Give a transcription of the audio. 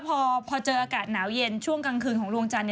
พอเจออากาศหนาวเย็นช่วงกลางคืนของดวงจันทร์